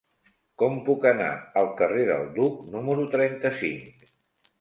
Com puc anar al carrer del Duc número trenta-cinc?